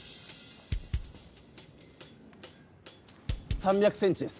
３００ｃｍです。